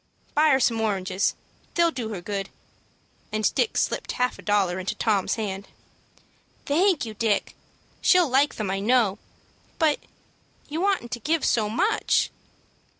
"Buy her some oranges. They'll do her good," and Dick slipped half a dollar into Tom's hand. "Thank you, Dick. She'll like them, I know, but you oughtn't to give so much."